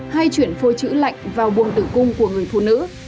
hay chuyển phôi chữ lạnh vào buồng tử cung của người phụ nữ